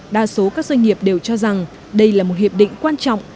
đa số các doanh nghiệp đều cho rằng đây là một hiệp định quan trọng